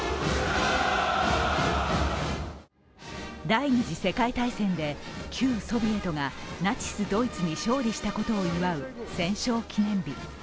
第二次世界大戦で旧ソビエトがナチスドイツに勝利したことを祝う戦勝記念日。